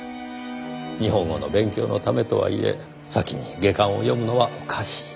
日本語の勉強のためとはいえ先に下巻を読むのはおかしい。